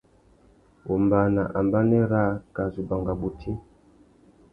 Wombāna ambanê râā ka zu banga bôti.